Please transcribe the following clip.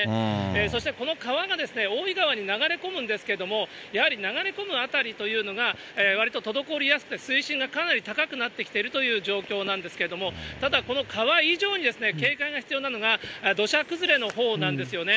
そして、この川が大井川に流れ込むんですけれども、やはり流れ込む辺りというのが、わりと滞りやすく、水深がかなり高くなってきているという状況なんですけども、ただ、この川以上に警戒が必要なのは、土砂崩れのほうなんですよね。